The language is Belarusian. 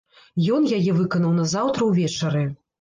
Ён яе выканаў назаўтра ўвечары.